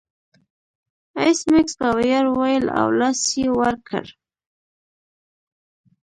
ایس میکس په ویاړ وویل او لاس یې ور کړ